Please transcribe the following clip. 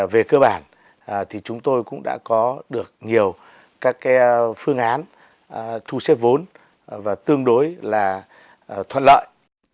về cơ bản thì chúng tôi cũng đã có được nhiều các phương án thu xếp vốn và tương đối là thoát lợi